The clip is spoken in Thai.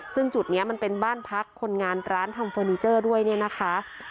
ซึ่งจุดนี้มันเป็นบ้านพักคนงานร้านทำเฟอร์นิเจอร์ด้วยเนี่ยนะคะ